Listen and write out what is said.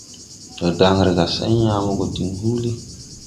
Ndo dan re gà, say yãã mo go diŋ huulí.